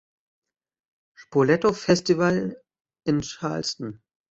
Spoleto Festival in Charleston.